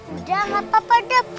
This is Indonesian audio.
udah nggak apa apa dam